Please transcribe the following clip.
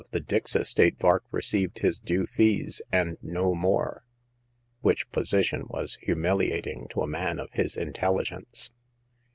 the Dix estate Vark received his due fees and no more, which position was humiliating to a man of his intelligence.